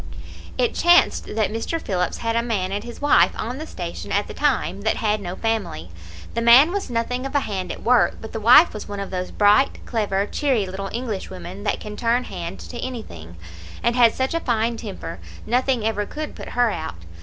It chanced that Mr. Phillips had a man and his wife on the station at the time that had no family. The man was nothing of a hand at work, but the wife was one of those bright, clever, cheery little Englishwomen that can turn hand to anything, and had such a fine temper nothing ever could put her out.